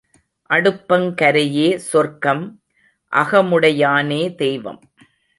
அடுப்பங் கரையே சொர்க்கம் அகமுடையானே தெய்வம்.